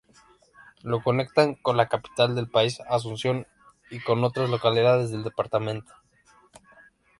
Lo conectan con la capital del país, Asunción y con otras localidades del departamento.